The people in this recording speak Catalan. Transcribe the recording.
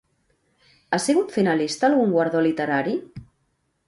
Ha sigut finalista a algun guardó literari?